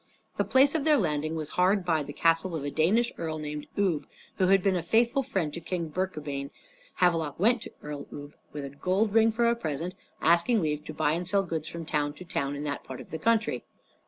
The place of their landing was hard by the castle of a Danish earl named Ubbe, who had been a faithful friend to King Birkabeyn. Havelok went to Earl Ubbe, with a gold ring for a present, asking leave to buy and sell goods from town to town in that part of the country.